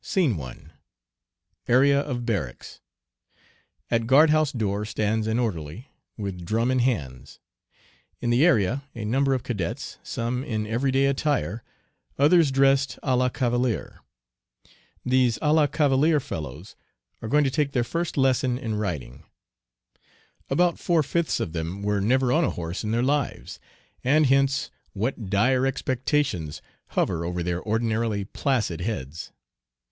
SCENE I. Area of barracks. At guard house door stands an orderly, with drum in hands. In the area a number of cadets, some in every day attire, others dressed à la cavalier. These à la cavalier fellows are going to take their first lesson in riding. About four fifths of them were never on a horse in their lives, and hence what dire expectations hover over their ordinarily placid heads!